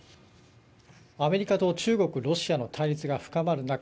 アメリカと中国、ロシアの対立が深まる中